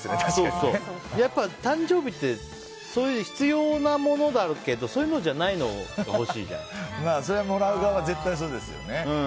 やっぱ誕生日って必要なものだけどそういうのじゃないのがもらう側は絶対そうですよね。